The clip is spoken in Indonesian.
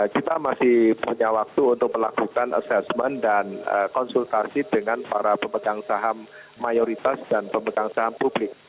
kita masih punya waktu untuk melakukan assessment dan konsultasi dengan para pemegang saham mayoritas dan pemegang saham publik